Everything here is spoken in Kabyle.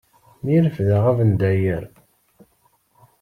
Mi refdeɣ abendayer.